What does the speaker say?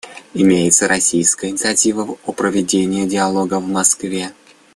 Имеется российская инициатива о проведении диалога в Москве.